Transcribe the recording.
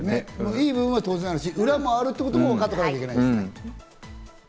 良い部分は当然あるし、裏もあるってことは分かっておかなきゃいけないですね。